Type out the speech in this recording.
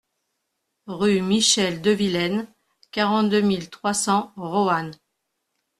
Rue Michel Devillaine, quarante-deux mille trois cents Roanne